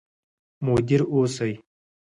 مدیر اوسئ.